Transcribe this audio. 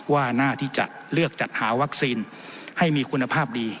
ว่าหน้าที่จะเลือกจัดหาวัคซีนให้มีคุณภาพดี